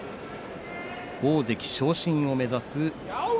大関昇進を目指す霧